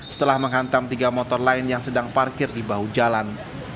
setelah menghantam tiga motor lain yang sedang parkir di bahu jalan